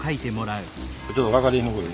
ちょっとわかりにくい？